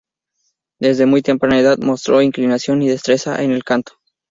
Desde muy temprana edad mostró inclinación y destreza en el canto.